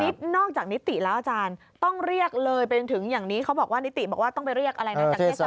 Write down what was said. นี่นอกจากนิติแล้วอาจารย์ต้องเรียกเลยไปจนถึงอย่างนี้เขาบอกว่านิติบอกว่าต้องไปเรียกอะไรนะจากเทศบาล